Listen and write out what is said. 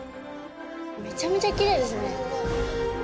めちゃめちゃキレイですね。